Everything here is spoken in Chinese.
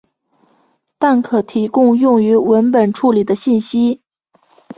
但可提供用于文本处理的信息。